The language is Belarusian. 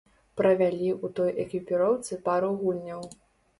Правялі ў той экіпіроўцы пару гульняў.